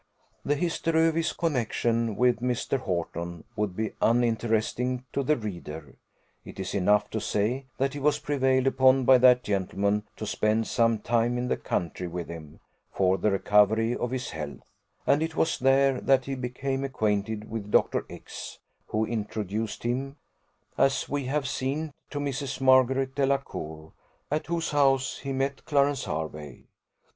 The history of his connexion with Mr. Horton would be uninteresting to the reader; it is enough to say, that he was prevailed upon, by that gentleman, to spend some time in the country with him, for the recovery of his health; and it was there that he became acquainted with Dr. X , who introduced him, as we have seen, to Mrs. Margaret Delacour, at whose house he met Clarence Hervey.